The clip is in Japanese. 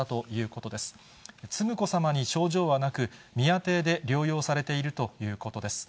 承子さまに症状はなく、宮邸で療養されているということです。